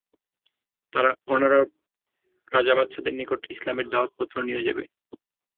তারা অনারব রাজা-বাদশাহদের নিকট ইসলামের দাওয়াতপত্র নিয়ে যাবে।